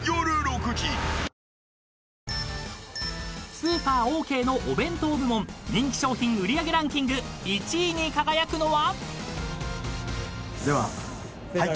［スーパーオーケーのお弁当部門人気商品売り上げランキング１位に輝くのは？］